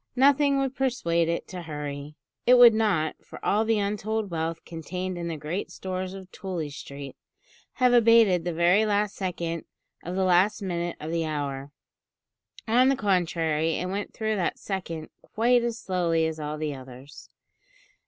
Nothing would persuade it to hurry. It would not, for all the untold wealth contained in the great stores of Tooley Street, have abated the very last second of the last minute of the hour. On the contrary, it went through that second quite as slowly as all the others.